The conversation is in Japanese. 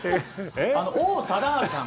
王貞治さん